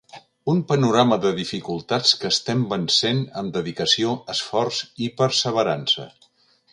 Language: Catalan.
Un panorama de dificultats que estem vencent amb dedicació, esforç i perseverança.